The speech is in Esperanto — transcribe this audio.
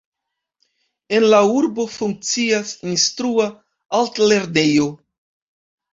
En la urbo funkcias Instrua Altlernejo.